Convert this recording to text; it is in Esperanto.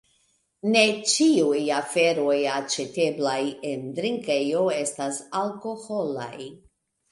Ne ĉiuj aferoj aĉeteblaj en drinkejo estas alkoholaj: